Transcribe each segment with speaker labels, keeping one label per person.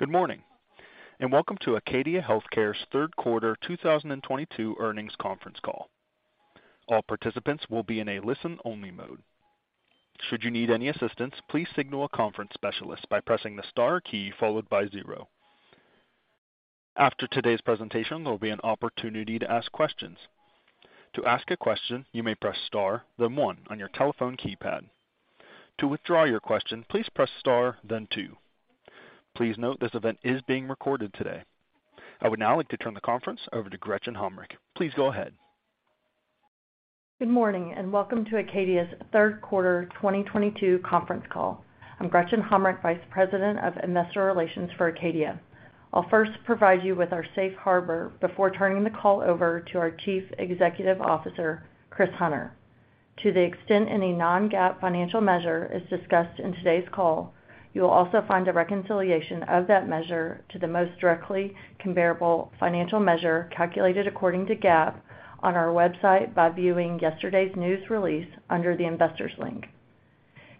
Speaker 1: Good morning, and welcome to Acadia Healthcare's third quarter 2022 earnings conference call. All participants will be in a listen-only mode. Should you need any assistance, please signal a conference specialist by pressing the star key followed by zero. After today's presentation, there'll be an opportunity to ask questions. To ask a question, you may press star, then one on your telephone keypad. To withdraw your question, please press star, then two. Please note this event is being recorded today. I would now like to turn the conference over to Gretchen Hommrich. Please go ahead.
Speaker 2: Good morning, and welcome to Acadia's third quarter 2022 conference call. I'm Gretchen Hommrich, Vice President of Investor Relations for Acadia. I'll first provide you with our safe harbor before turning the call over to our Chief Executive Officer, Chris Hunter. To the extent any non-GAAP financial measure is discussed in today's call, you will also find a reconciliation of that measure to the most directly comparable financial measure calculated according to GAAP on our website by viewing yesterday's news release under the "Investors" link.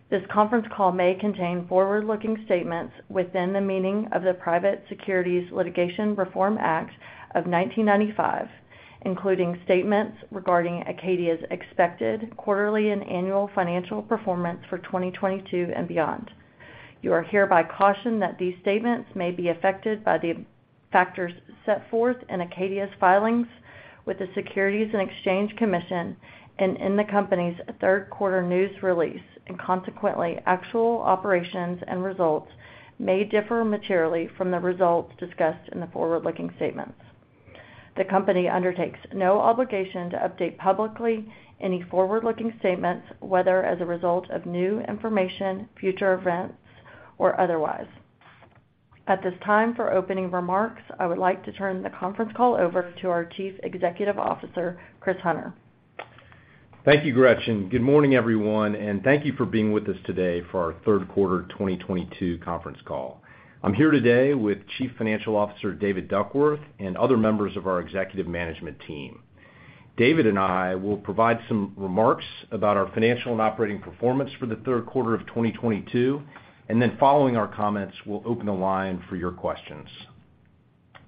Speaker 2: This conference call may contain forward-looking statements within the meaning of the Private Securities Litigation Reform Act of 1995, including statements regarding Acadia's expected quarterly and annual financial performance for 2022 and beyond. You are hereby cautioned that these statements may be affected by the factors set forth in Acadia's filings with the Securities and Exchange Commission and in the company's third quarter news release, and consequently, actual operations and results may differ materially from the results discussed in the forward-looking statements. The company undertakes no obligation to update publicly any forward-looking statements, whether as a result of new information, future events, or otherwise. At this time, for opening remarks, I would like to turn the conference call over to our Chief Executive Officer, Chris Hunter.
Speaker 3: Thank you, Gretchen. Good morning, everyone, and thank you for being with us today for our third quarter 2022 conference call. I'm here today with Chief Financial Officer, David Duckworth, and other members of our executive management team. David and I will provide some remarks about our financial and operating performance for the third quarter of 2022, and then following our comments, we'll open the line for your questions.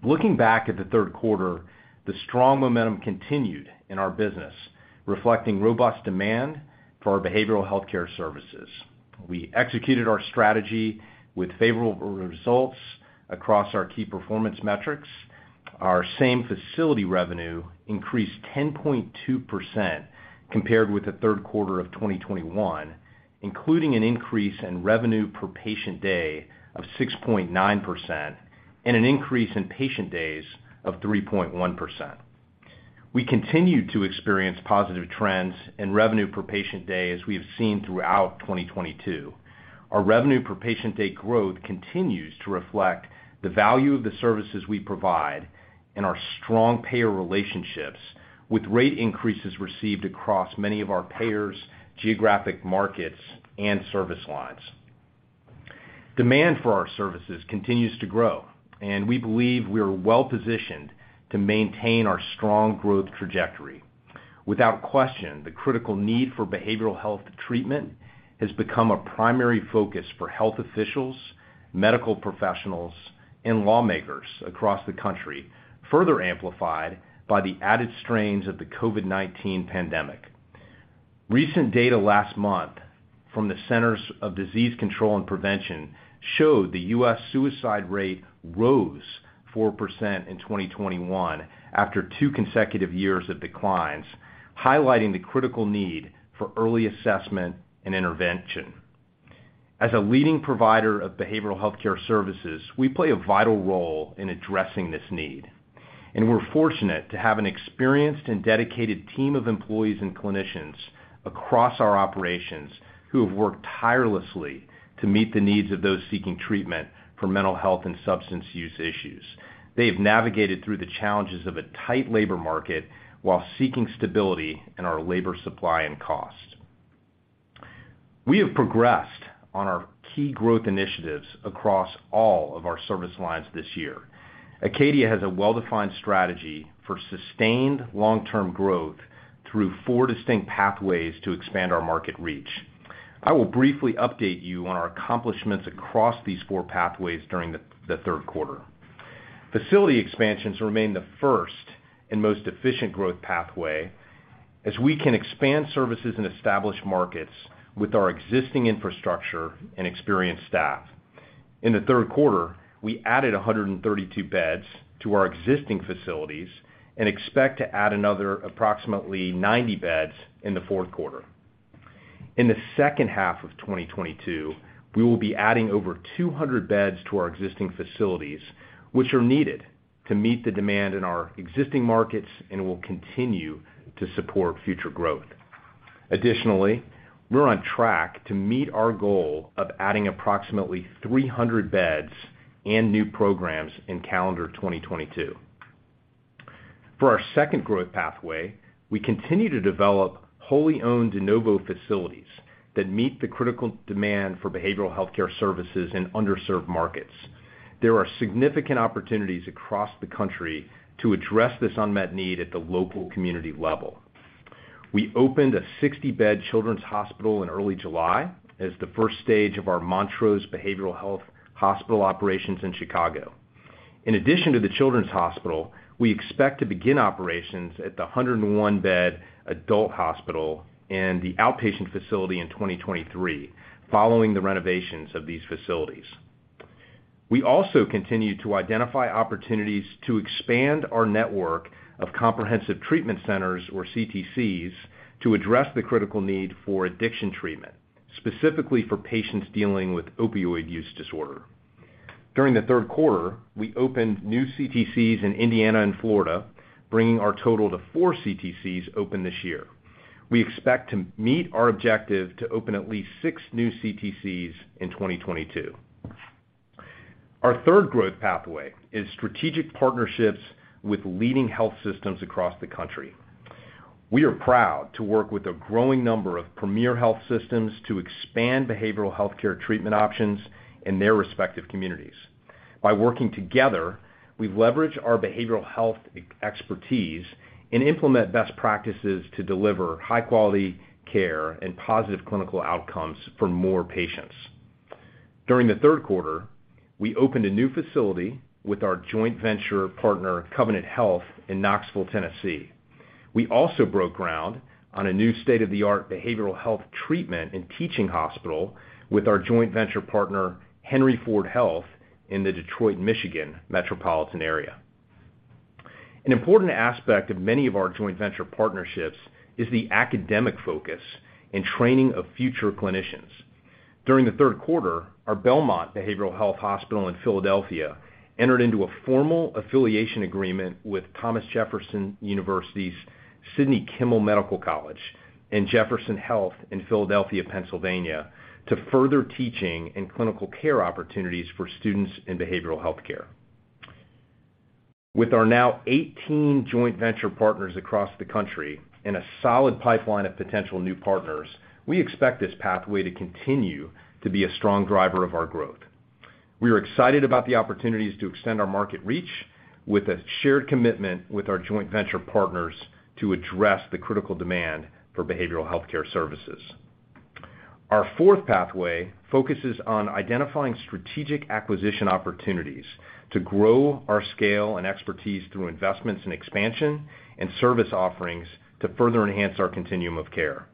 Speaker 3: Looking back at the third quarter, the strong momentum continued in our business, reflecting robust demand for our behavioral healthcare services. We executed our strategy with favorable results across our key performance metrics. Our same-facility revenue increased 10.2% compared with the third quarter of 2021, including an increase in revenue per patient day of 6.9% and an increase in patient days of 3.1%. We continued to experience positive trends in revenue per patient day as we have seen throughout 2022. Our revenue per patient day growth continues to reflect the value of the services we provide and our strong payer relationships with rate increases received across many of our payers, geographic markets, and service lines. Demand for our services continues to grow, and we believe we are well-positioned to maintain our strong growth trajectory. Without question, the critical need for behavioral health treatment has become a primary focus for health officials, medical professionals, and lawmakers across the country, further amplified by the added strains of the COVID-19 pandemic. Recent data last month from the Centers for Disease Control and Prevention showed the U.S. suicide rate rose 4% in 2021 after two consecutive years of declines, highlighting the critical need for early assessment and intervention. As a leading provider of behavioral healthcare services, we play a vital role in addressing this need, and we're fortunate to have an experienced and dedicated team of employees and clinicians across our operations who have worked tirelessly to meet the needs of those seeking treatment for mental health and substance use issues. They have navigated through the challenges of a tight labor market while seeking stability in our labor supply and cost. We have progressed on our key growth initiatives across all of our service lines this year. Acadia has a well-defined strategy for sustained long-term growth through four distinct pathways to expand our market reach. I will briefly update you on our accomplishments across these four pathways during the third quarter. Facility expansions remain the first and most efficient growth pathway as we can expand services in established markets with our existing infrastructure and experienced staff. In the third quarter, we added 132 beds to our existing facilities and expect to add another approximately 90 beds in the fourth quarter. In the second half of 2022, we will be adding over 200 beds to our existing facilities, which are needed to meet the demand in our existing markets and will continue to support future growth. Additionally, we're on track to meet our goal of adding approximately 300 beds and new programs in calendar 2022. For our second growth pathway, we continue to develop wholly owned de novo facilities that meet the critical demand for behavioral healthcare services in underserved markets. There are significant opportunities across the country to address this unmet need at the local community level. We opened a 60-bed children's hospital in early July as the first stage of our Montrose Behavioral Health Hospital operations in Chicago. In addition to the children's hospital, we expect to begin operations at the 101-bed adult hospital and the outpatient facility in 2023 following the renovations of these facilities. We also continue to identify opportunities to expand our network of comprehensive treatment centers, or CTCs, to address the critical need for addiction treatment, specifically for patients dealing with opioid use disorder. During the third quarter, we opened new CTCs in Indiana and Florida, bringing our total to four CTCs opened this year. We expect to meet our objective to open at least six new CTCs in 2022. Our third growth pathway is strategic partnerships with leading health systems across the country. We are proud to work with a growing number of premier health systems to expand behavioral healthcare treatment options in their respective communities. By working together, we leverage our behavioral health expertise and implement best practices to deliver high-quality care and positive clinical outcomes for more patients. During the third quarter, we opened a new facility with our joint venture partner, Covenant Health, in Knoxville, Tennessee. We also broke ground on a new state-of-the-art behavioral health treatment and teaching hospital with our joint venture partner, Henry Ford Health, in the Detroit, Michigan metropolitan area. An important aspect of many of our joint venture partnerships is the academic focus and training of future clinicians. During the third quarter, our Belmont Behavioral Health Hospital in Philadelphia entered into a formal affiliation agreement with Thomas Jefferson University's Sidney Kimmel Medical College and Jefferson Health in Philadelphia, Pennsylvania, to further teaching and clinical care opportunities for students in behavioral healthcare. With our now 18 joint venture partners across the country and a solid pipeline of potential new partners, we expect this pathway to continue to be a strong driver of our growth. We are excited about the opportunities to extend our market reach with a shared commitment with our joint venture partners to address the critical demand for behavioral healthcare services. Our fourth pathway focuses on identifying strategic acquisition opportunities to grow our scale and expertise through investments in expansion and service offerings to further enhance our continuum of care.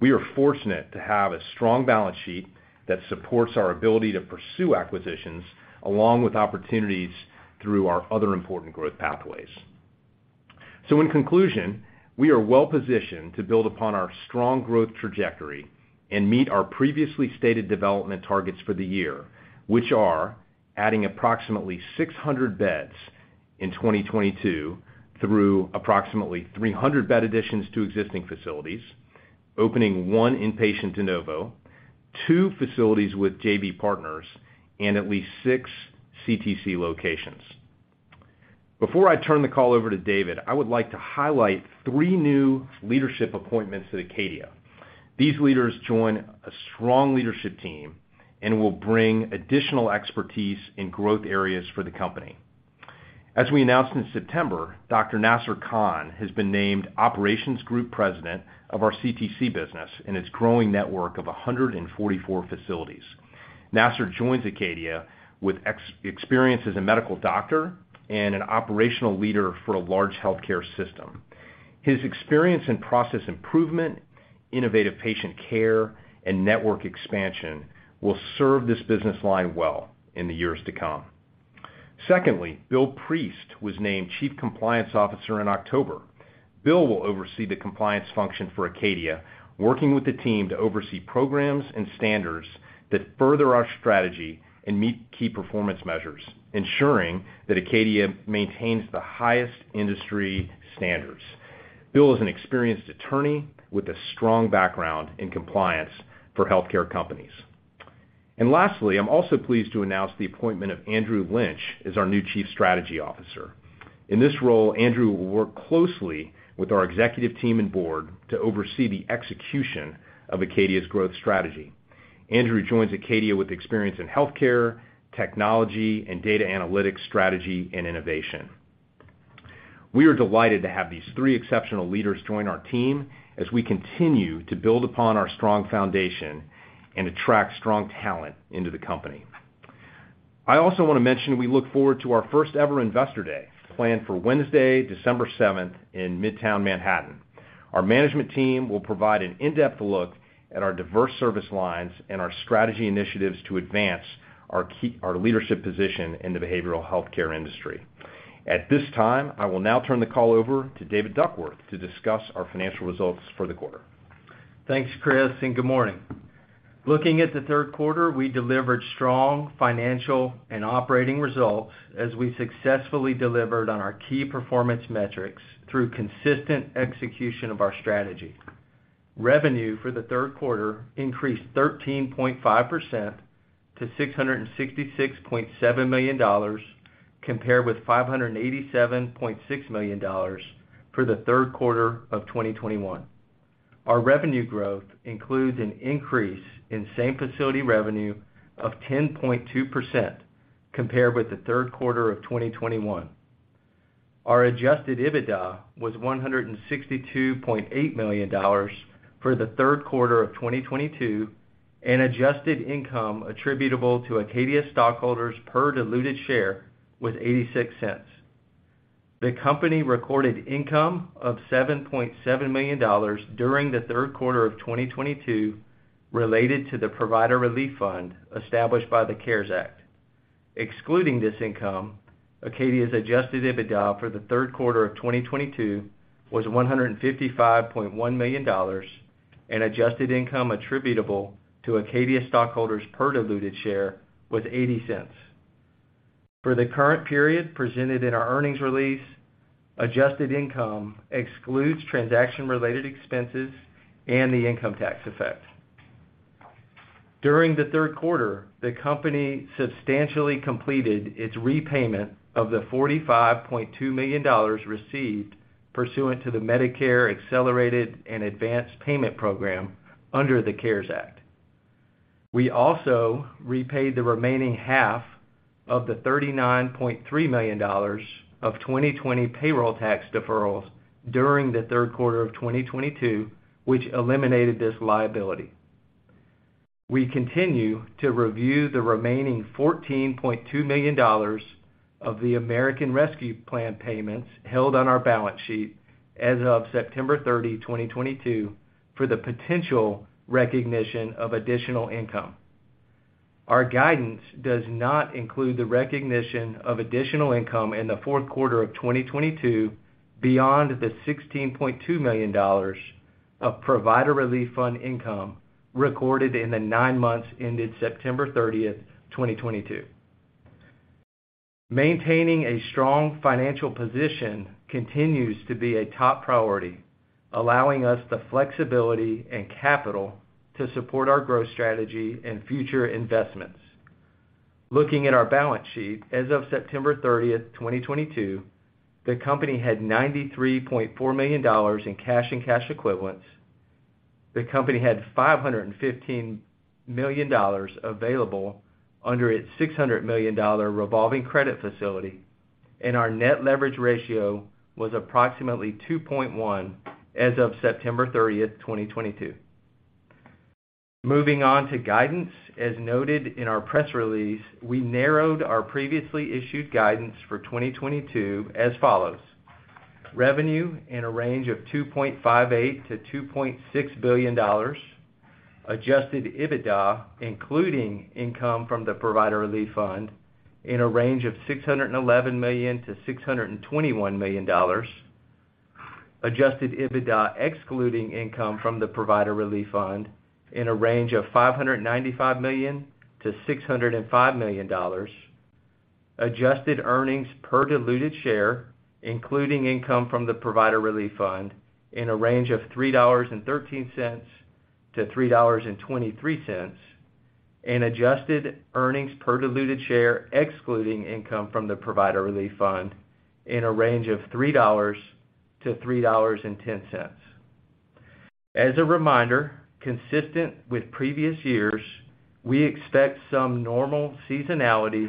Speaker 3: We are fortunate to have a strong balance sheet that supports our ability to pursue acquisitions, along with opportunities through our other important growth pathways. In conclusion, we are well-positioned to build upon our strong growth trajectory and meet our previously stated development targets for the year, which are adding approximately 600 beds in 2022 through approximately 300 bed additions to existing facilities, opening one inpatient de novo, two facilities with JV partners, and at least six CTC locations. Before I turn the call over to David, I would like to highlight three new leadership appointments at Acadia. These leaders join a strong leadership team and will bring additional expertise in growth areas for the company. As we announced in September, Dr. Nasser Khan has been named Operations Group President of our CTC business and its growing network of 144 facilities. Nasser joins Acadia with experience as a medical doctor and an operational leader for a large healthcare system. His experience in process improvement, innovative patient care, and network expansion will serve this business line well in the years to come. Secondly, Bill Priest was named Chief Compliance Officer in October. Bill will oversee the compliance function for Acadia, working with the team to oversee programs and standards that further our strategy and meet key performance measures, ensuring that Acadia maintains the highest industry standards. Bill is an experienced attorney with a strong background in compliance for healthcare companies. Lastly, I'm also pleased to announce the appointment of Andrew Lynch as our new Chief Strategy Officer. In this role, Andrew will work closely with our executive team and board to oversee the execution of Acadia's growth strategy. Andrew joins Acadia with experience in healthcare, technology, and data analytics, strategy, and innovation. We are delighted to have these three exceptional leaders join our team as we continue to build upon our strong foundation and attract strong talent into the company. I also wanna mention we look forward to our first ever Investor Day planned for Wednesday, December 7th in Midtown Manhattan. Our management team will provide an in-depth look at our diverse service lines and our strategy initiatives to advance our leadership position in the behavioral healthcare industry. At this time, I will now turn the call over to David Duckworth to discuss our financial results for the quarter.
Speaker 4: Thanks, Chris, and good morning. Looking at the third quarter, we delivered strong financial and operating results as we successfully delivered on our key performance metrics through consistent execution of our strategy. Revenue for the third quarter increased 13.5% to $666.7 million, compared with $587.6 million for the third quarter of 2021. Our revenue growth includes an increase in same-facility revenue of 10.2%, compared with the third quarter of 2021. Our adjusted EBITDA was $162.8 million for the third quarter of 2022, and adjusted income attributable to Acadia stockholders per diluted share was $0.86. The company recorded income of $7.7 million during the third quarter of 2022 related to the Provider Relief Fund established by the CARES Act. Excluding this income, Acadia's adjusted EBITDA for the third quarter of 2022 was $155.1 million, and adjusted income attributable to Acadia stockholders per diluted share was $0.80. For the current period presented in our earnings release, adjusted income excludes transaction-related expenses and the income tax effect. During the third quarter, the company substantially completed its repayment of the $45.2 million received pursuant to the Medicare Accelerated and Advance Payment Program under the CARES Act. We also repaid the remaining half of the $39.3 million of 2020 payroll tax deferrals during the third quarter of 2022, which eliminated this liability. We continue to review the remaining $14.2 million of the American Rescue Plan payments held on our balance sheet as of September 30, 2022, for the potential recognition of additional income. Our guidance does not include the recognition of additional income in the fourth quarter of 2022 beyond the $16.2 million of Provider Relief Fund income recorded in the nine months ended September 30th, 2022. Maintaining a strong financial position continues to be a top priority, allowing us the flexibility and capital to support our growth strategy and future investments. Looking at our balance sheet as of September 30th, 2022, the company had $93.4 million in cash and cash equivalents. The company had $515 million available under its $600 million revolving credit facility, and our net leverage ratio was approximately 2.1x as of September 30th, 2022. Moving on to guidance, as noted in our press release, we narrowed our previously issued guidance for 2022 as follows. Revenue in a range of $2.58 billion-$2.6 billion. Adjusted EBITDA, including income from the Provider Relief Fund in a range of $611 million-$621 million. Adjusted EBITDA excluding income from the Provider Relief Fund in a range of $595 million-$605 million. Adjusted earnings per diluted share, including income from the Provider Relief Fund in a range of $3.13-$3.23. Adjusted earnings per diluted share excluding income from the Provider Relief Fund in a range of $3-$3.10. As a reminder, consistent with previous years, we expect some normal seasonality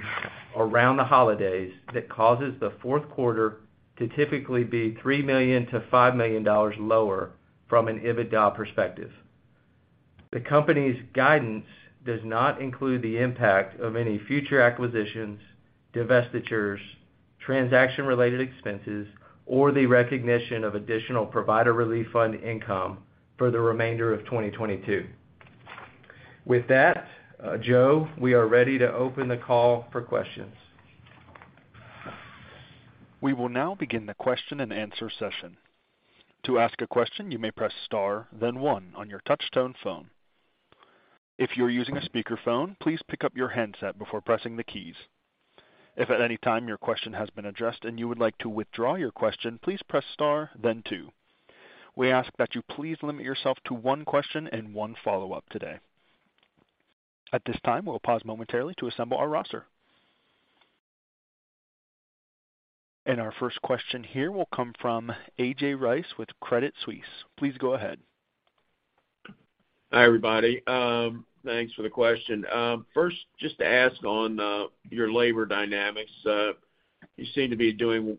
Speaker 4: around the holidays that causes the fourth quarter to typically be $3 million-$5 million lower from an EBITDA perspective. The company's guidance does not include the impact of any future acquisitions, divestitures, transaction-related expenses, or the recognition of additional Provider Relief Fund income for the remainder of 2022. With that, Joe, we are ready to open the call for questions.
Speaker 1: We will now begin the question-and-answer session. To ask a question, you may press star, then one on your touch-tone phone. If you're using a speakerphone, please pick up your handset before pressing the keys. If at any time your question has been addressed and you would like to withdraw your question, please press star then two. We ask that you please limit yourself to one question and one follow-up today. At this time, we'll pause momentarily to assemble our roster. Our first question here will come from A.J. Rice with Credit Suisse. Please go ahead.
Speaker 5: Hi, everybody. Thanks for the question. First, just to ask on your labor dynamics, you seem to be doing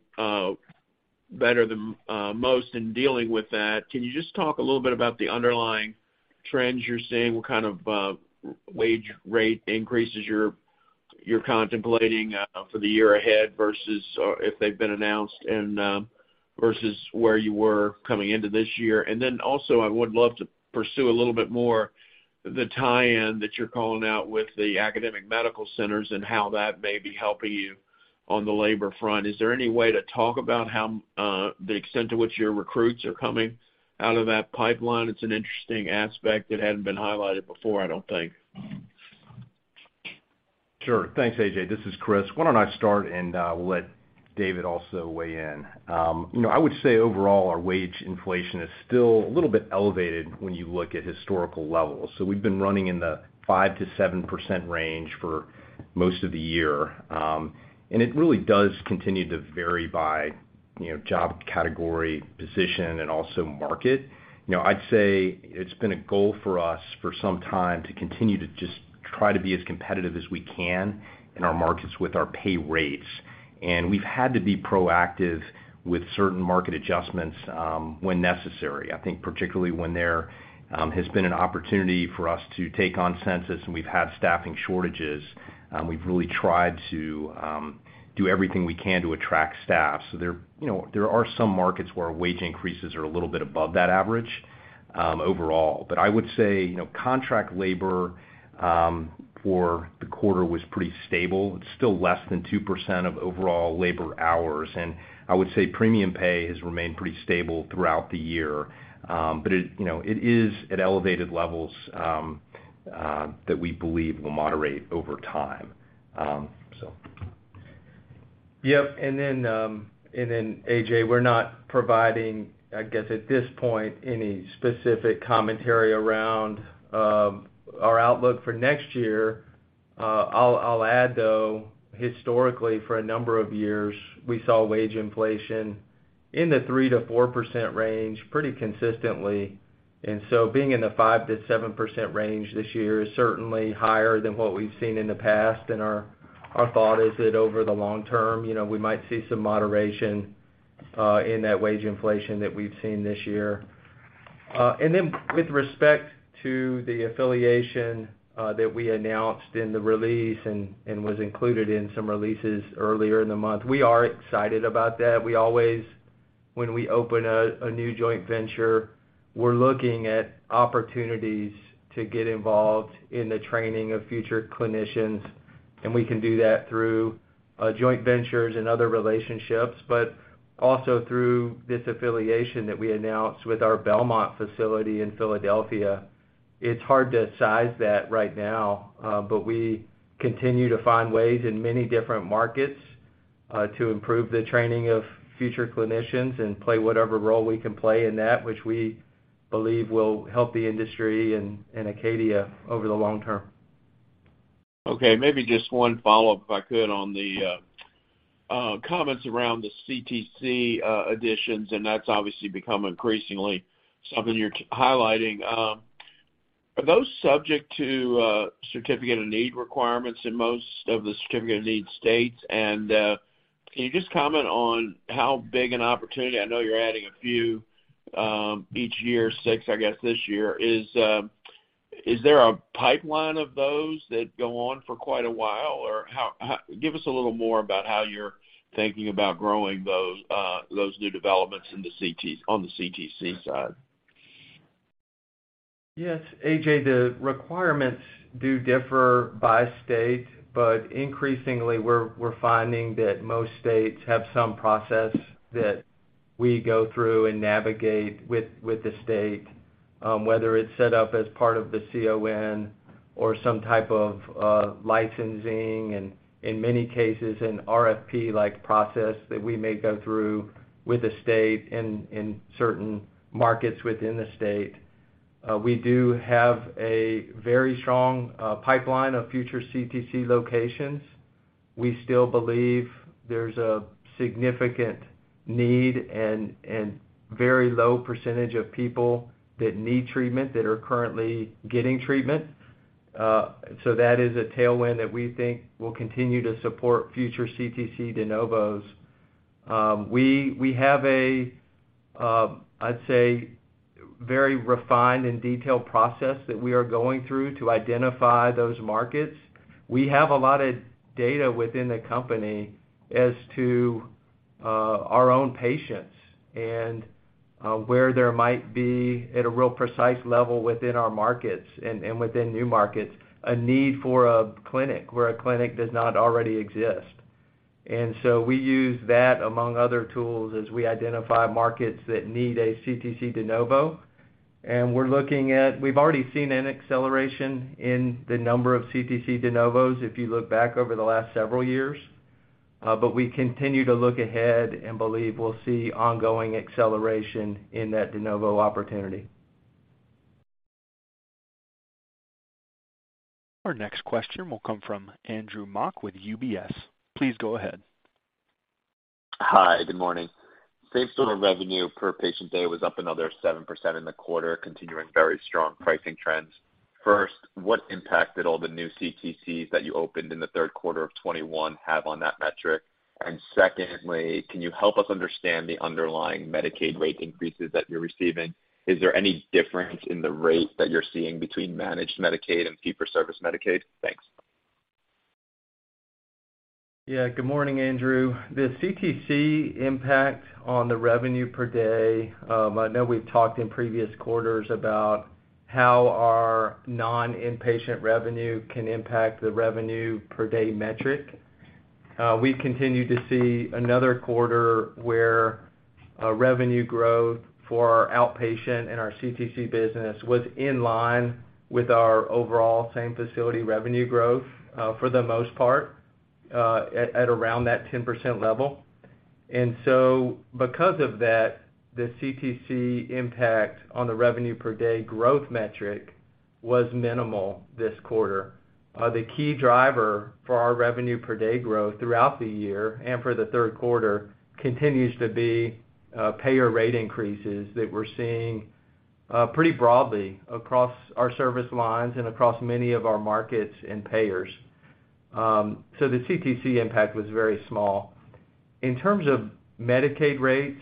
Speaker 5: better than most in dealing with that. Can you just talk a little bit about the underlying trends you're seeing? What kind of wage rate increases you're contemplating for the year ahead versus or if they've been announced and versus where you were coming into this year? I would love to pursue a little bit more the tie-in that you're calling out with the academic medical centers and how that may be helping you on the labor front. Is there any way to talk about how the extent to which your recruits are coming out of that pipeline? It's an interesting aspect that hadn't been highlighted before, I don't think.
Speaker 3: Sure. Thanks, A.J. This is Chris. Why don't I start and we'll let David also weigh in. You know, I would say overall, our wage inflation is still a little bit elevated when you look at historical levels. We've been running in the 5%-7% range for most of the year. It really does continue to vary by, you know, job category, position, and also market. You know, I'd say it's been a goal for us for some time to continue to just try to be as competitive as we can in our markets with our pay rates. We've had to be proactive with certain market adjustments, when necessary. I think particularly when there has been an opportunity for us to take on census and we've had staffing shortages, we've really tried to do everything we can to attract staff. There, you know, there are some markets where wage increases are a little bit above that average, overall. I would say, you know, contract labor for the quarter was pretty stable. It's still less than 2% of overall labor hours. I would say premium pay has remained pretty stable throughout the year. You know, it is at elevated levels that we believe will moderate over time.
Speaker 4: Yep. Then A.J., we're not providing, I guess, at this point, any specific commentary around our outlook for next year. I'll add, though, historically, for a number of years, we saw wage inflation in the 3%-4% range pretty consistently. Being in the 5%-7% range this year is certainly higher than what we've seen in the past. Our thought is that over the long term, you know, we might see some moderation in that wage inflation that we've seen this year. Then with respect to the affiliation that we announced in the release and was included in some releases earlier in the month, we are excited about that. We always, when we open a new joint venture, we're looking at opportunities to get involved in the training of future clinicians, and we can do that through joint ventures and other relationships, but also through this affiliation that we announced with our Belmont facility in Philadelphia. It's hard to size that right now, but we continue to find ways in many different markets to improve the training of future clinicians and play whatever role we can play in that, which we believe will help the industry and Acadia over the long term.
Speaker 5: Okay. Maybe just one follow-up, if I could, on the comments around the CTC additions, and that's obviously become increasingly something you're highlighting. Are those subject to Certificate of Need requirements in most of the Certificate of Need states? And can you just comment on how big an opportunity? I know you're adding a few each year, six, I guess this year. Is there a pipeline of those that go on for quite a while? Or, give us a little more about how you're thinking about growing those new developments on the CTC side.
Speaker 4: Yes, A.J., the requirements do differ by state, but increasingly we're finding that most states have some process that we go through and navigate with the state, whether it's set up as part of the CON or some type of licensing and, in many cases, an RFP-like process that we may go through with the state in certain markets within the state. We do have a very strong pipeline of future CTC locations. We still believe there's a significant need and very low percentage of people that need treatment that are currently getting treatment. So that is a tailwind that we think will continue to support future CTC de novos. We have a, I'd say very refined and detailed process that we are going through to identify those markets. We have a lot of data within the company as to our own patients and where there might be, at a real precise level within our markets and within new markets, a need for a clinic where a clinic does not already exist. We use that among other tools as we identify markets that need a CTC de novo. We've already seen an acceleration in the number of CTC de novos, if you look back over the last several years. We continue to look ahead and believe we'll see ongoing acceleration in that de novo opportunity.
Speaker 1: Our next question will come from Andrew Mok with UBS. Please go ahead.
Speaker 6: Hi. Good morning. Same-store revenue per patient day was up another 7% in the quarter, continuing very strong pricing trends. First, what impact did all the new CTCs that you opened in the third quarter of 2021 have on that metric? Secondly, can you help us understand the underlying Medicaid rate increases that you're receiving? Is there any difference in the rates that you're seeing between managed Medicaid and fee-for-service Medicaid? Thanks.
Speaker 4: Yeah. Good morning, Andrew. The CTC impact on the revenue per day, I know we've talked in previous quarters about how our non-inpatient revenue can impact the revenue per day metric. We continue to see another quarter where revenue growth for our outpatient and our CTC business was in line with our overall same-facility revenue growth, for the most part, at around that 10% level. Because of that, the CTC impact on the revenue per day growth metric was minimal this quarter. The key driver for our revenue per day growth throughout the year and for the third quarter continues to be payer rate increases that we're seeing pretty broadly across our service lines and across many of our markets and payers. The CTC impact was very small. In terms of Medicaid rates,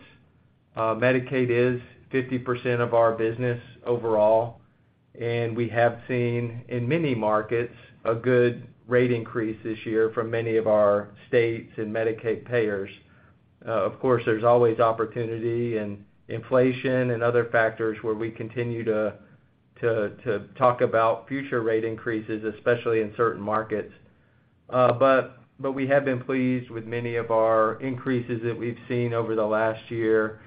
Speaker 4: Medicaid is 50% of our business overall, and we have seen in many markets a good rate increase this year from many of our states and Medicaid payers. Of course, there's always opportunity and inflation and other factors where we continue to talk about future rate increases, especially in certain markets. We have been pleased with many of our increases that we've seen over the last year.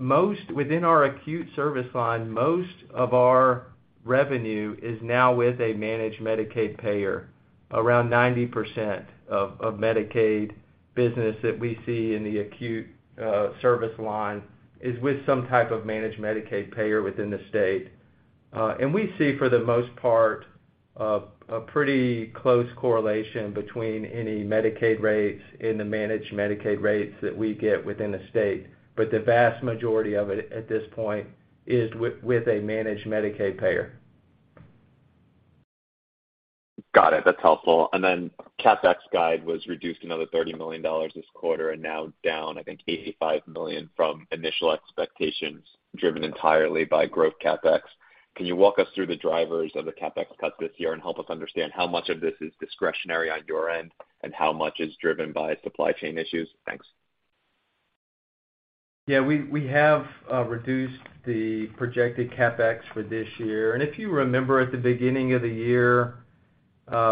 Speaker 4: Most within our acute service line, most of our revenue is now with a managed Medicaid payer. Around 90% of Medicaid business that we see in the acute service line is with some type of managed Medicaid payer within the state. We see, for the most part, a pretty close correlation between any Medicaid rates and the managed Medicaid rates that we get within a state. The vast majority of it, at this point, is with a managed Medicaid payer.
Speaker 6: Got it. That's helpful. CapEx guide was reduced another $30 million this quarter and now down, I think, $85 million from initial expectations, driven entirely by growth CapEx. Can you walk us through the drivers of the CapEx cuts this year and help us understand how much of this is discretionary on your end and how much is driven by supply chain issues? Thanks.
Speaker 4: Yeah. We have reduced the projected CapEx for this year. If you remember at the beginning of the year,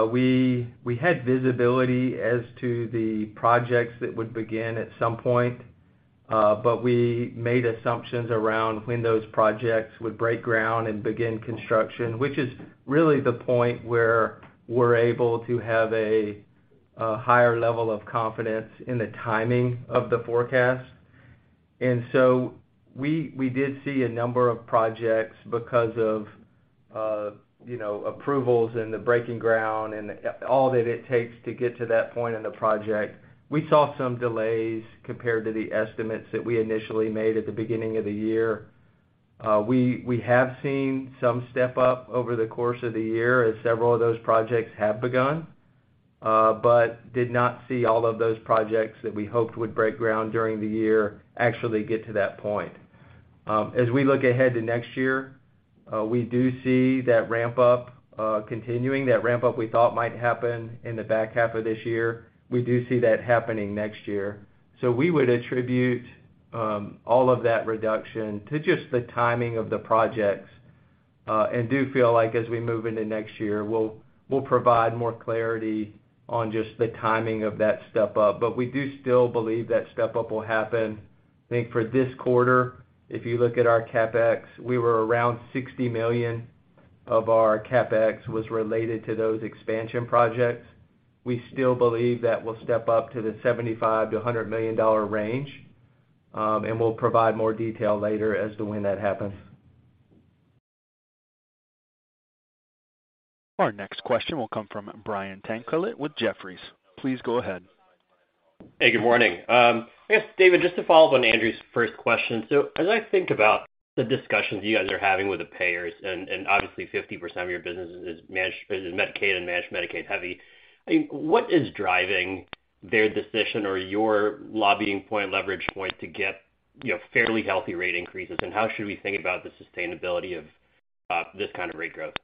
Speaker 4: we had visibility as to the projects that would begin at some point, but we made assumptions around when those projects would break ground and begin construction, which is really the point where we're able to have a higher level of confidence in the timing of the forecast. We did see a number of projects because of, you know, approvals and the breaking ground and all that it takes to get to that point in the project. We saw some delays compared to the estimates that we initially made at the beginning of the year. We have seen some step-up over the course of the year as several of those projects have begun, but did not see all of those projects that we hoped would break ground during the year actually get to that point. As we look ahead to next year, we do see that ramp-up continuing. That ramp-up we thought might happen in the back half of this year, we do see that happening next year. We would attribute all of that reduction to just the timing of the projects, and do feel like as we move into next year, we'll provide more clarity on just the timing of that step up. We do still believe that step-up will happen. I think for this quarter, if you look at our CapEx, we were around $60 million of our CapEx was related to those expansion projects. We still believe that we'll step up to the $75 million-$100 million range, and we'll provide more detail later as to when that happens.
Speaker 1: Our next question will come from Brian Tanquilut with Jefferies. Please go ahead.
Speaker 7: Hey, good morning. I guess, David, just to follow up on Andrew's first question. As I think about the discussions you guys are having with the payers, and obviously 50% of your business is Medicaid and managed Medicaid-heavy, I mean, what is driving their decision or your lobbying point, leverage point to get, you know, fairly healthy rate increases? And how should we think about the sustainability of this kind of rate growth?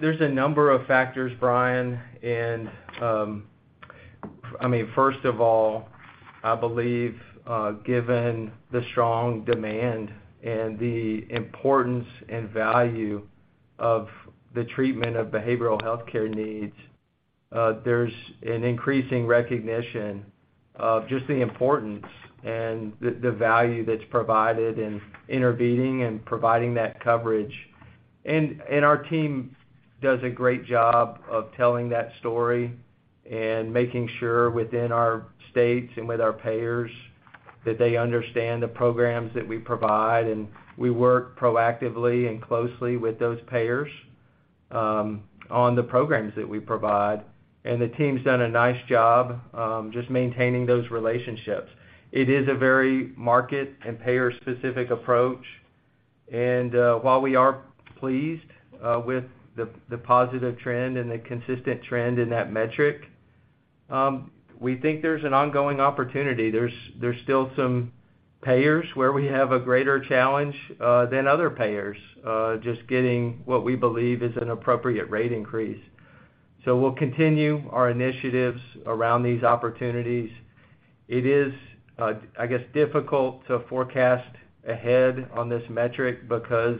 Speaker 4: There's a number of factors, Brian. I mean, first of all, I believe, given the strong demand and the importance and value of the treatment of behavioral healthcare needs, there's an increasing recognition of just the importance and the value that's provided in intervening and providing that coverage. Our team does a great job of telling that story and making sure within our states and with our payers that they understand the programs that we provide, and we work proactively and closely with those payers on the programs that we provide. The team's done a nice job just maintaining those relationships. It is a very market and payer-specific approach. While we are pleased with the positive trend and the consistent trend in that metric, we think there's an ongoing opportunity. There's still some payers where we have a greater challenge than other payers just getting what we believe is an appropriate rate increase. We'll continue our initiatives around these opportunities. It is, I guess, difficult to forecast ahead on this metric because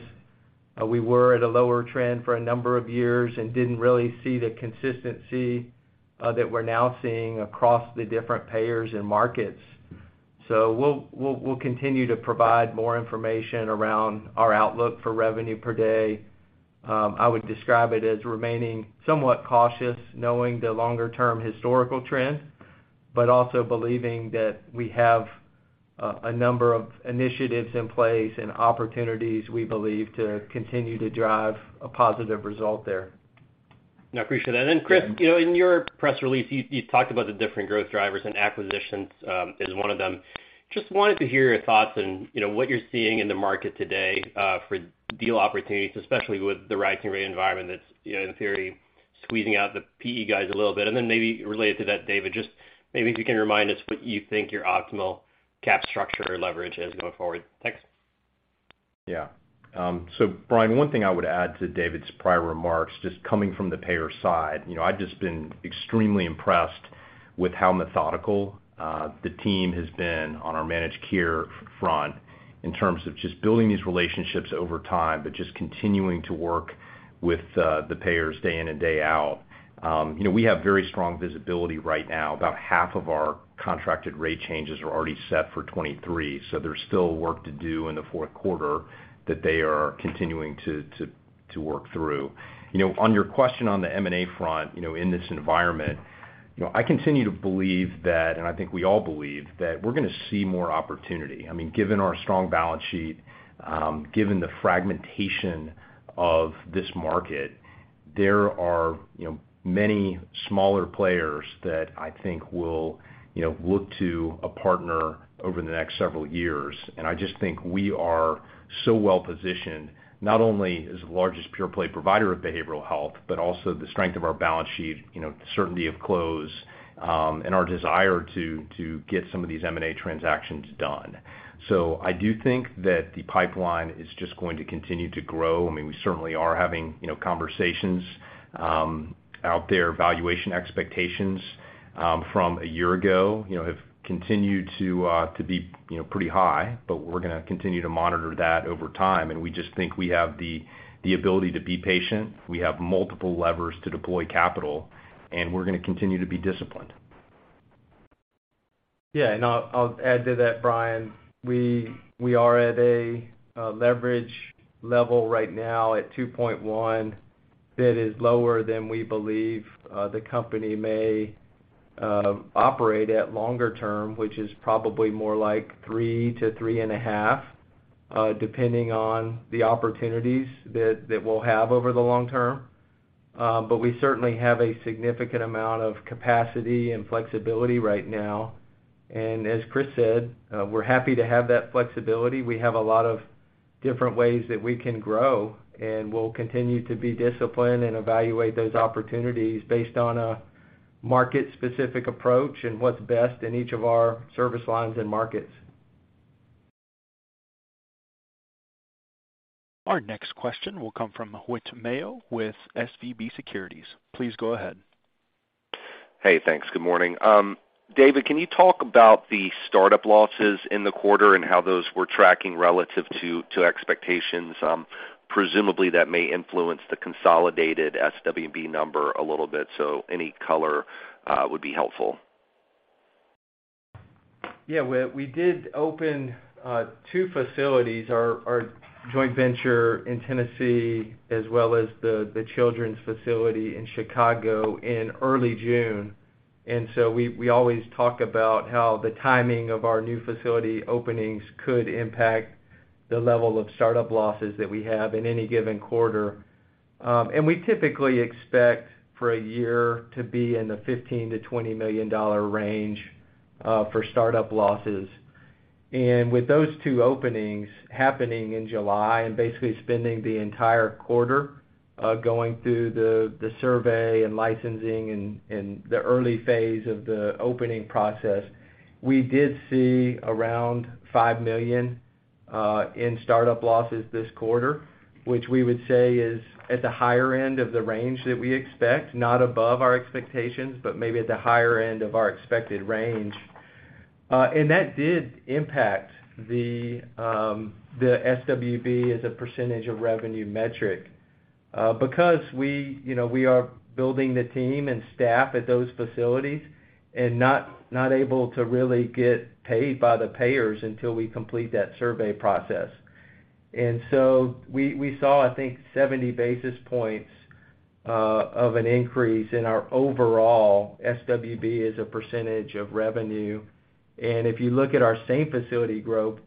Speaker 4: we were at a lower trend for a number of years and didn't really see the consistency that we're now seeing across the different payers and markets. We'll continue to provide more information around our outlook for revenue per day. I would describe it as remaining somewhat cautious, knowing the longer-term historical trend. Also believing that we have a number of initiatives in place and opportunities we believe to continue to drive a positive result there.
Speaker 7: No, I appreciate that. Chris, you know, in your press release, you talked about the different growth drivers and acquisitions as one of them. Just wanted to hear your thoughts on, you know, what you're seeing in the market today for deal opportunities, especially with the rising rate environment that's, you know, in theory, squeezing out the PE guys a little bit. Maybe related to that, David, just maybe if you can remind us what you think your optimal cap structure leverage is going forward. Thanks.
Speaker 3: Yeah, Brian, one thing I would add to David's prior remarks, just coming from the payer side, you know, I've just been extremely impressed with how methodical the team has been on our managed care front in terms of just building these relationships over time, but just continuing to work with the payers day in and day out. You know, we have very strong visibility right now. About half of our contracted rate changes are already set for 2023, so there's still work to do in the fourth quarter that they are continuing to work through. You know, on your question on the M&A front, you know, in this environment, you know, I continue to believe that, and I think we all believe, that we're gonna see more opportunity. I mean, given our strong balance sheet, given the fragmentation of this market, there are, you know, many smaller players that I think will, you know, look to a partner over the next several years. I just think we are so well-positioned, not only as the largest pure-play provider of behavioral health, but also the strength of our balance sheet, you know, the certainty of close, and our desire to get some of these M&A transactions done. I do think that the pipeline is just going to continue to grow. I mean, we certainly are having, you know, conversations out there. Valuation expectations from a year ago, you know, have continued to be, you know, pretty high, but we're gonna continue to monitor that over time, and we just think we have the ability to be patient. We have multiple levers to deploy capital, and we're gonna continue to be disciplined.
Speaker 4: Yeah, I'll add to that, Brian. We are at a leverage level right now at 2.1x that is lower than we believe the company may operate at longer term, which is probably more like 3x-3.5x depending on the opportunities that we'll have over the long term. We certainly have a significant amount of capacity and flexibility right now. As Chris said, we're happy to have that flexibility. We have a lot of different ways that we can grow, and we'll continue to be disciplined and evaluate those opportunities based on a market-specific approach and what's best in each of our service lines and markets.
Speaker 1: Our next question will come from Whit Mayo with SVB Securities. Please go ahead.
Speaker 8: Hey, thanks. Good morning. David, can you talk about the startup losses in the quarter and how those were tracking relative to expectations? Presumably that may influence the consolidated SWB number a little bit, so any color would be helpful.
Speaker 4: Yeah, Whit, we did open two facilities, our joint venture in Tennessee as well as the children's facility in Chicago in early June. We always talk about how the timing of our new facility openings could impact the level of startup losses that we have in any given quarter. We typically expect for a year to be in the $15 million-$20 million range for startup losses. With those two openings happening in July and basically spending the entire quarter going through the survey and licensing and the early phase of the opening process, we did see around $5 million in startup losses this quarter, which we would say is at the higher end of the range that we expect, not above our expectations, but maybe at the higher end of our expected range. That did impact the SWB as a percentage of revenue metric, because we, you know, we are building the team and staff at those facilities and not able to really get paid by the payers until we complete that survey process. We saw, I think 70 basis points of an increase in our overall SWB as a percentage of revenue. If you look at our same-facility group,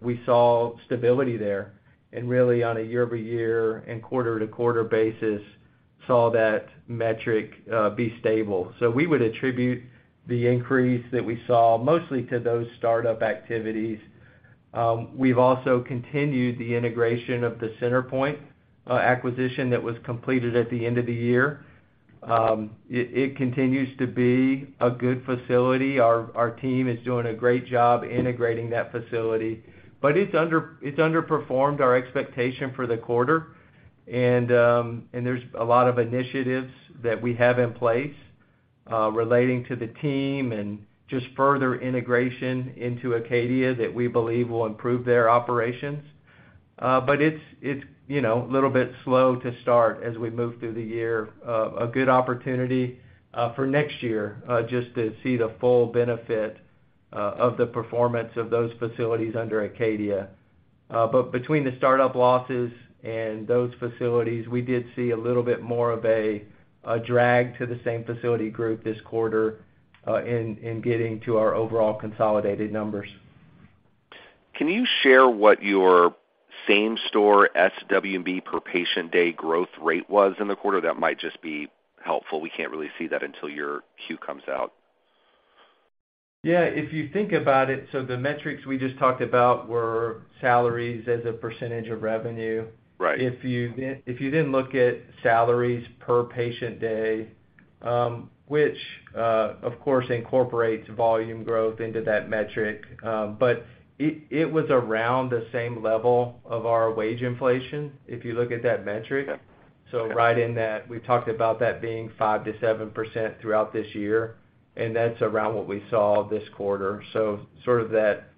Speaker 4: we saw stability there, and really on a year-over-year and quarter-to-quarter basis, saw that metric be stable. We would attribute the increase that we saw mostly to those startup activities. We've also continued the integration of the CenterPointe acquisition that was completed at the end of the year. It continues to be a good facility. Our team is doing a great job integrating that facility. It's underperformed our expectation for the quarter. There's a lot of initiatives that we have in place relating to the team and just further integration into Acadia that we believe will improve their operations. It's you know a little bit slow to start as we move through the year. A good opportunity for next year just to see the full benefit of the performance of those facilities under Acadia. Between the startup losses and those facilities, we did see a little bit more of a drag to the same-facility group this quarter, in getting to our overall consolidated numbers.
Speaker 8: Can you share what your same-store SWB per patient day growth rate was in the quarter? That might just be helpful. We can't really see that until your Q comes out.
Speaker 4: Yeah. If you think about it, so the metrics we just talked about were salaries as a percentage of revenue.
Speaker 8: Right.
Speaker 4: If you then look at salaries per patient day, which, of course, incorporates volume growth into that metric, but it was around the same level of our wage inflation if you look at that metric.
Speaker 8: Okay.
Speaker 4: We talked about that being 5%-7% throughout this year, and that's around what we saw this quarter. Sort of that,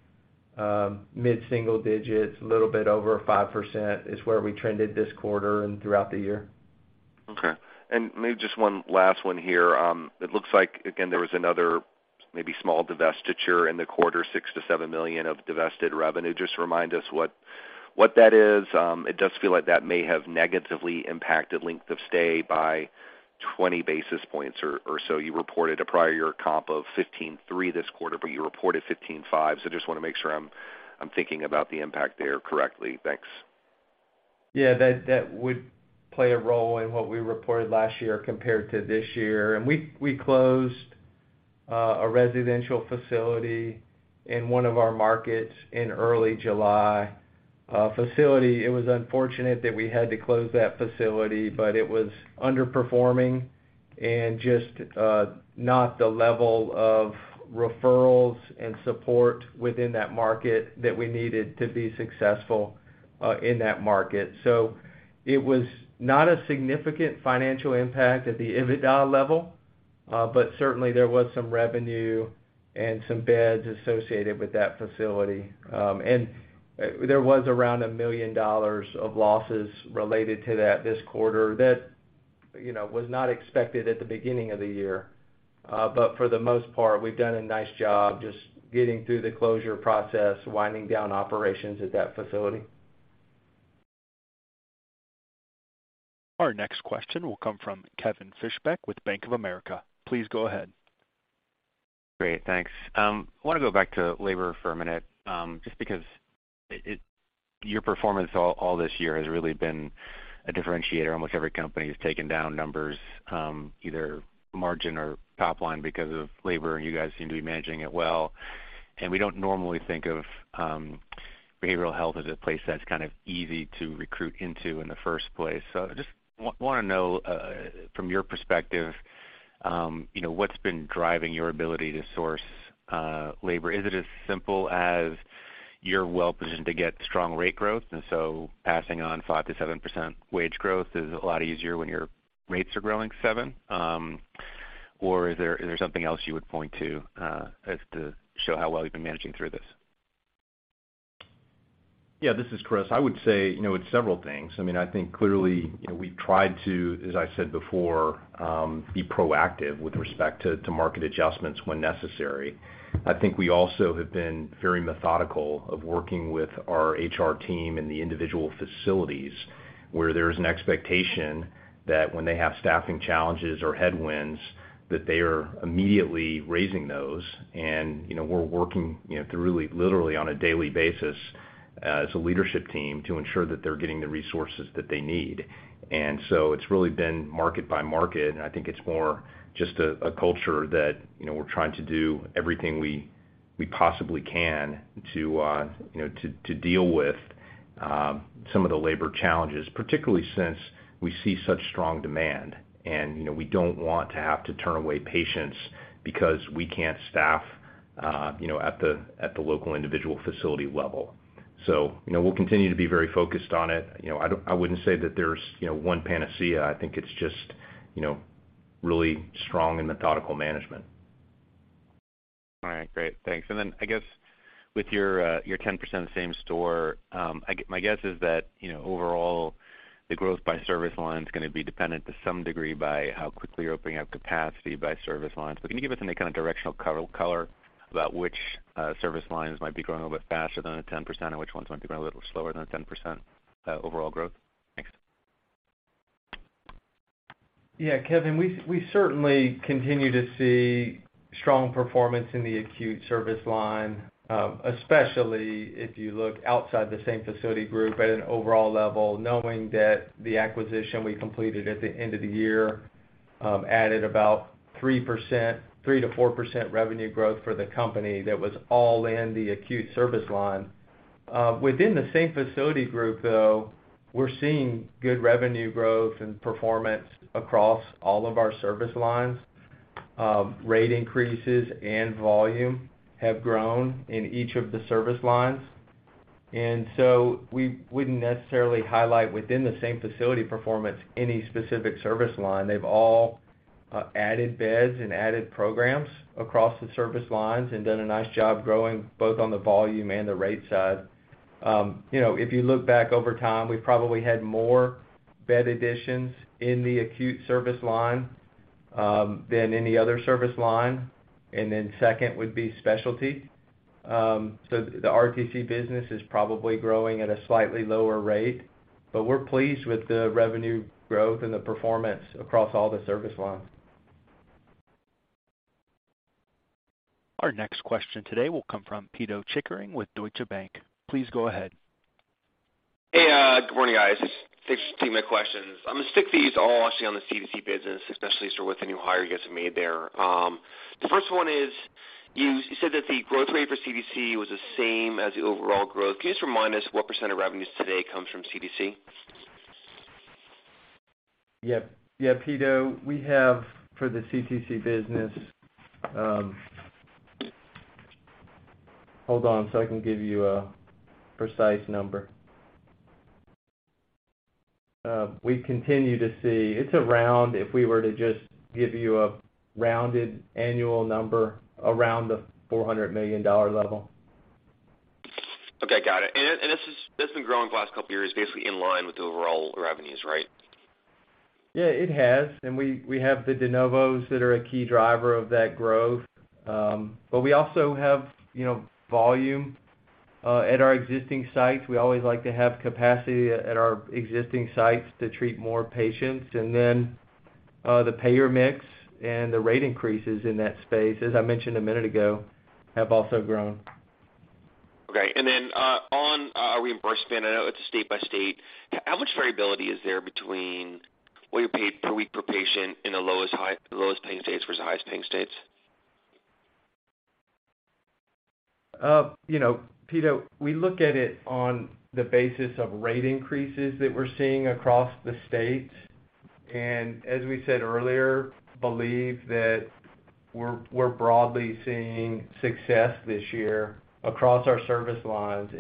Speaker 4: mid-single digits, a little bit over 5% is where we trended this quarter and throughout the year.
Speaker 8: Okay. Maybe just one last one here. It looks like, again, there was another maybe small divestiture in the quarter, $6 million-$7 million of divested revenue. Just remind us what that is. It does feel like that may have negatively impacted length of stay by 20 basis points or so. You reported a prior-year comp of 15.3% this quarter, but you reported 15.5%. Just wanna make sure I'm thinking about the impact there correctly. Thanks.
Speaker 4: Yeah, that would play a role in what we reported last year compared to this year. We closed a residential facility in one of our markets in early July. It was unfortunate that we had to close that facility, but it was underperforming and just not the level of referrals and support within that market that we needed to be successful in that market. It was not a significant financial impact at the EBITDA level, but certainly there was some revenue and some beds associated with that facility. There was around $1 million of losses related to that this quarter that, you know, was not expected at the beginning of the year. For the most part, we've done a nice job just getting through the closure process, winding down operations at that facility.
Speaker 1: Our next question will come from Kevin Fischbeck with Bank of America. Please go ahead.
Speaker 9: Great. Thanks. Wanna go back to labor for a minute, just because it's your performance all this year has really been a differentiator. Almost every company has taken down numbers, either margin or top line because of labor, and you guys seem to be managing it well. We don't normally think of behavioral health as a place that's kind of easy to recruit into in the first place. I just wanna know, from your perspective, you know, what's been driving your ability to source labor. Is it as simple as you're well-positioned to get strong rate growth, and so passing on 5%-7% wage growth is a lot easier when your rates are growing 7%? Is there something else you would point to as to show how well you've been managing through this?
Speaker 3: Yeah, this is Chris. I would say, you know, it's several things. I mean, I think clearly, you know, we've tried to, as I said before, be proactive with respect to market adjustments when necessary. I think we also have been very methodical of working with our HR team and the individual facilities, where there's an expectation that when they have staffing challenges or headwinds, that they are immediately raising those. You know, we're working, you know, through, literally on a daily basis as a leadership team to ensure that they're getting the resources that they need. It's really been market by market, and I think it's more just a culture that, you know, we're trying to do everything we possibly can to, you know, to deal with some of the labor challenges, particularly since we see such strong demand. You know, we don't want to have to turn away patients because we can't staff, you know, at the local individual facility level. You know, we'll continue to be very focused on it. You know, I wouldn't say that there's, you know, one panacea. I think it's just, you know, really strong and methodical management.
Speaker 9: All right, great. Thanks. I guess with your 10% same store, my guess is that, you know, overall, the growth by service line is gonna be dependent to some degree by how quickly you're opening up capacity by service lines. Can you give us any kind of directional color about which service lines might be growing a little bit faster than the 10% and which ones might be growing a little slower than the 10% overall growth? Thanks.
Speaker 4: Yeah, Kevin, we certainly continue to see strong performance in the acute service line, especially if you look outside the same-facility group at an overall level, knowing that the acquisition we completed at the end of the year added about 3%, 3%-4% revenue growth for the company that was all in the acute service line. Within the same-facility group, though, we're seeing good revenue growth and performance across all of our service lines. Rate increases and volume have grown in each of the service lines. We wouldn't necessarily highlight within the same-facility performance any specific service line. They've all added beds and added programs across the service lines and done a nice job growing both on the volume and the rate side. You know, if you look back over time, we've probably had more bed additions in the acute service line than any other service line, and then second would be specialty. The RTC business is probably growing at a slightly lower rate, but we're pleased with the revenue growth and the performance across all the service lines.
Speaker 1: Our next question today will come from Pito Chickering with Deutsche Bank. Please go ahead.
Speaker 10: Hey, good morning, guys. Thanks for taking my questions. I'm gonna stick these all actually on the CTC business, especially sort of with the new hire you guys have made there. The first one is, you said that the growth rate for CTC was the same as the overall growth. Can you just remind us what percent of revenues today comes from CTC?
Speaker 4: Yep. Yeah, Pito, we have for the CTC business. Hold on, so I can give you a precise number. We continue to see it's around, if we were to just give you a rounded annual number around the $400 million level.
Speaker 10: Okay, got it. This has been growing for the last couple of years, basically in line with the overall revenues, right?
Speaker 4: Yeah, it has. We have the de novos that are a key driver of that growth. But we also have, you know, volume at our existing sites. We always like to have capacity at our existing sites to treat more patients. The payer mix and the rate increases in that space, as I mentioned a minute ago, have also grown.
Speaker 10: Okay. On reimbursement, I know it's state by state. How much variability is there between what you're paid per week per patient in the lowest paying states versus the highest paying states?
Speaker 4: You know, Pito, we look at it on the basis of rate increases that we're seeing across the states. As we said earlier, believe that we're broadly seeing success this year across our service lines.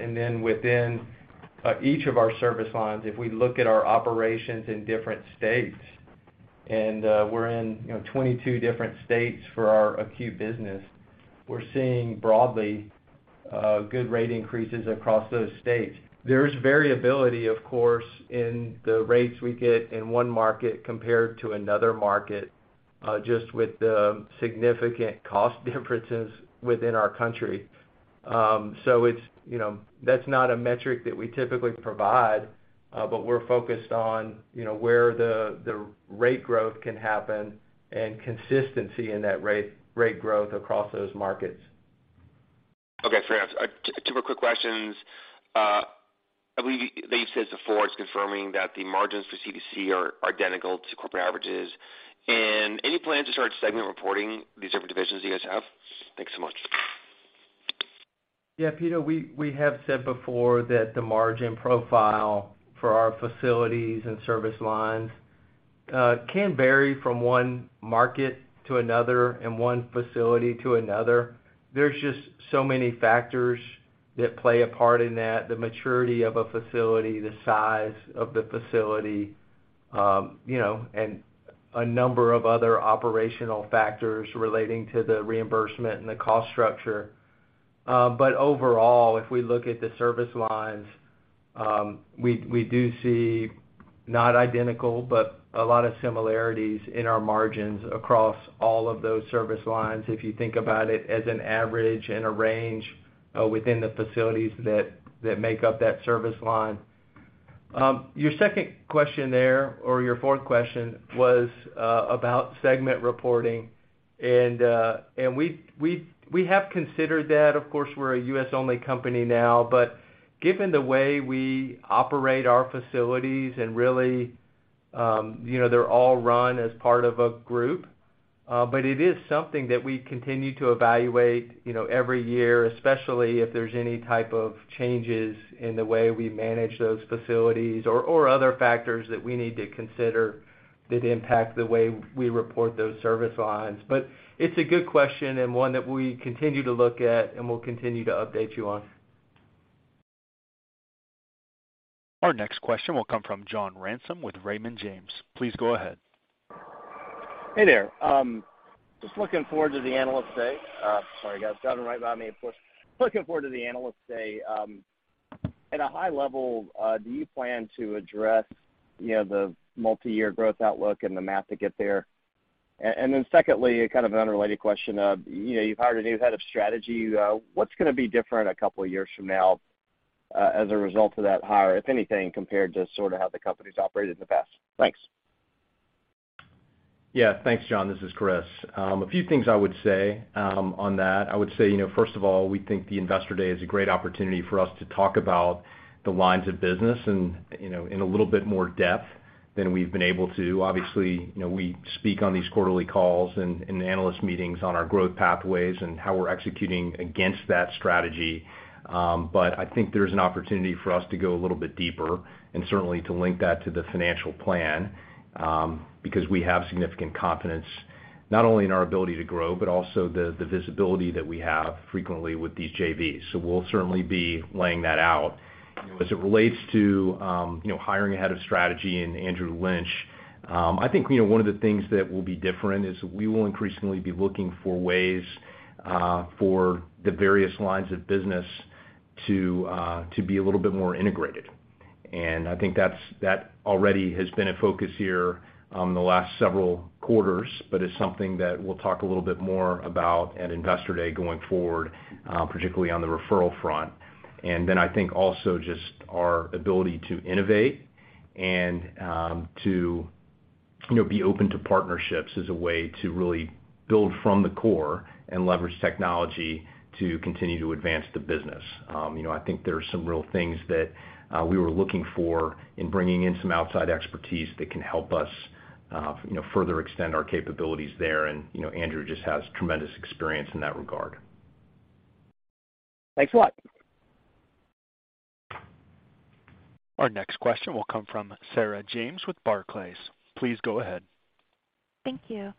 Speaker 4: Within each of our service lines, if we look at our operations in different states, and we're in, you know, 22 different states for our acute business, we're seeing broadly good rate increases across those states. There is variability, of course, in the rates we get in one market compared to another market, just with the significant cost differences within our country. It's, you know, that's not a metric that we typically provide, but we're focused on, you know, where the rate growth can happen and consistency in that rate growth across those markets.
Speaker 10: Okay, fair enough. Two more quick questions. I believe that you've said this before. It's confirming that the margins for CTC are identical to corporate averages. Any plans to start segment reporting these different divisions that you guys have? Thanks so much.
Speaker 4: Yeah, Pito, we have said before that the margin profile for our facilities and service lines can vary from one market to another and one facility to another. There's just so many factors that play a part in that, the maturity of a facility, the size of the facility, you know, and a number of other operational factors relating to the reimbursement and the cost structure. But overall, if we look at the service lines, we do see not identical, but a lot of similarities in our margins across all of those service lines, if you think about it as an average and a range, within the facilities that make up that service line. Your second question there, or your fourth question was about segment reporting. We have considered that. Of course, we're a U.S.-only company now. Given the way we operate our facilities and really, you know, they're all run as part of a group. It is something that we continue to evaluate, you know, every year, especially if there's any type of changes in the way we manage those facilities or other factors that we need to consider that impact the way we report those service lines. It's a good question and one that we continue to look at and we'll continue to update you on.
Speaker 1: Our next question will come from John Ransom with Raymond James. Please go ahead.
Speaker 11: Hey there. Just looking forward to the Analyst Day. Sorry, guys. Driving right by me, of course. Looking forward to the Analyst Day. At a high level, do you plan to address, you know, the multi-year growth outlook and the math to get there? And then secondly, a kind of an unrelated question. You know, you've hired a new head of strategy. What's gonna be different a couple of years from now, as a result of that hire, if anything, compared to sort of how the company's operated in the past? Thanks.
Speaker 3: Yeah. Thanks, John. This is Chris. A few things I would say on that. I would say, you know, first of all, we think the Investor Day is a great opportunity for us to talk about the lines of business and, you know, in a little bit more depth than we've been able to. Obviously, you know, we speak on these quarterly calls and analyst meetings on our growth pathways and how we're executing against that strategy. But I think there's an opportunity for us to go a little bit deeper and certainly to link that to the financial plan, because we have significant confidence not only in our ability to grow, but also the visibility that we have frequently with these JVs. We'll certainly be laying that out. As it relates to, you know, hiring a head of strategy in Andrew Lynch, I think, you know, one of the things that will be different is we will increasingly be looking for ways, for the various lines of business to be a little bit more integrated. I think that already has been a focus here, the last several quarters, but it's something that we'll talk a little bit more about at Investor Day going forward, particularly on the referral front. Then I think also just our ability to innovate and, to, you know, be open to partnerships as a way to really build from the core and leverage technology to continue to advance the business. You know, I think there's some real things that we were looking for in bringing in some outside expertise that can help us, you know, further extend our capabilities there. You know, Andrew just has tremendous experience in that regard.
Speaker 11: Thanks a lot.
Speaker 1: Our next question will come from Sarah James with Barclays. Please go ahead.
Speaker 12: Thank you.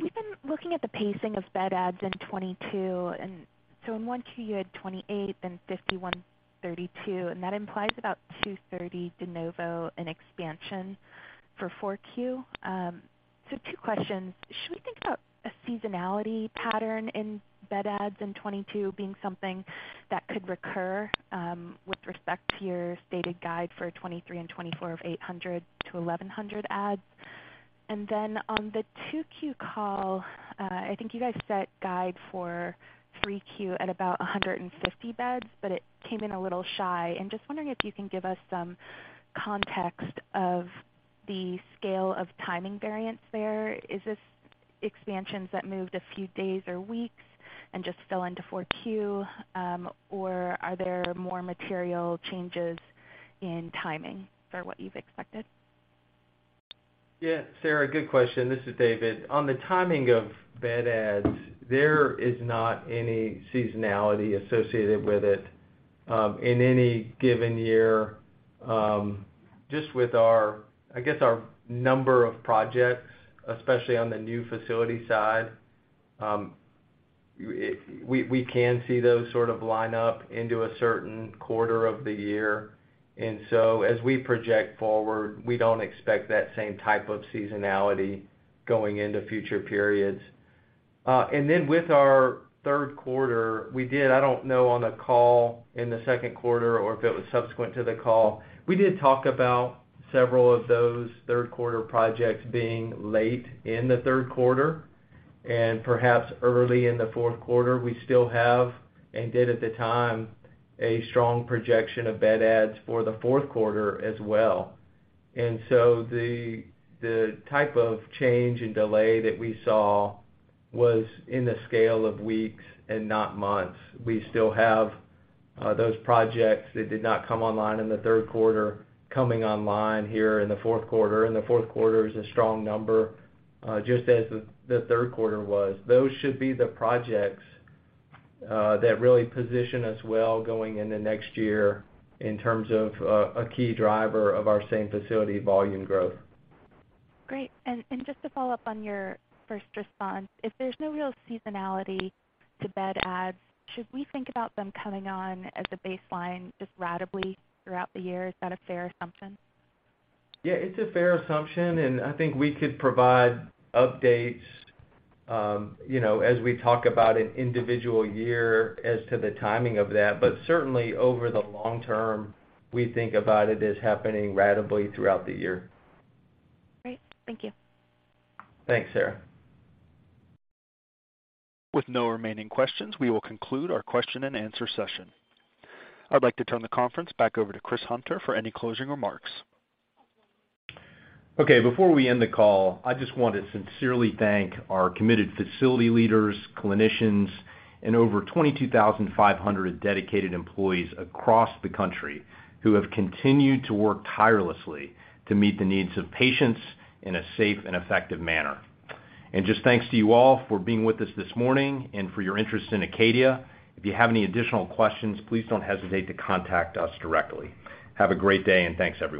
Speaker 12: We've been looking at the pacing of bed adds in 2022, so in 1Q, you had 28, then 51, 32, and that implies about 230 de novo in expansion for 4Q. So two questions. Should we think about a seasonality pattern in bed adds in 2022 being something that could recur with respect to your stated guide for 2023 and 2024 of 800-1,100 adds? Then on the 2Q call, I think you guys set guide for 3Q at about 150 beds, but it came in a little shy. Just wondering if you can give us some context of the scale of timing variance there. Is this expansions that moved a few days or weeks and just fill into 4Q, or are there more material changes in timing for what you've expected?
Speaker 4: Yeah, Sarah, good question. This is David. On the timing of bed adds, there is not any seasonality associated with it, in any given year. Just with our, I guess, our number of projects, especially on the new facility side, we can see those sort of line up into a certain quarter of the year. As we project forward, we don't expect that same type of seasonality going into future periods. With our third quarter, we did, I don't know on the call in the second quarter or if it was subsequent to the call, we did talk about several of those third quarter projects being late in the third quarter and perhaps early in the fourth quarter. We still have and did at the time, a strong projection of bed adds for the fourth quarter as well. The type of change and delay that we saw was in the scale of weeks and not months. We still have those projects that did not come online in the third quarter, coming online here in the fourth quarter. The fourth quarter is a strong number, just as the third quarter was. Those should be the projects that really position us well going into next year in terms of a key driver of our same-facility volume growth.
Speaker 12: Great. Just to follow up on your first response, if there's no real seasonality to bed adds, should we think about them coming on as a baseline, just ratably throughout the year? Is that a fair assumption?
Speaker 4: Yeah, it's a fair assumption, and I think we could provide updates, you know, as we talk about an individual year as to the timing of that. Certainly over the long term, we think about it as happening ratably throughout the year.
Speaker 12: Great. Thank you.
Speaker 4: Thanks, Sarah.
Speaker 1: With no remaining questions, we will conclude our question-and-answer session. I'd like to turn the conference back over to Chris Hunter for any closing remarks.
Speaker 3: Okay, before we end the call, I just want to sincerely thank our committed facility leaders, clinicians, and over 22,500 dedicated employees across the country who have continued to work tirelessly to meet the needs of patients in a safe and effective manner. Just thanks to you all for being with us this morning and for your interest in Acadia. If you have any additional questions, please don't hesitate to contact us directly. Have a great day, and thanks, everyone.